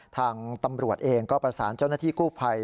ทางตำรวจเองก็ประสานเจ้าหน้าที่กู้ภัย